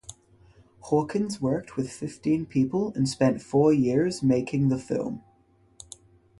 Hawkins worked with fifteen people and spent four years making the film.